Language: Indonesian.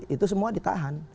itu semua ditahan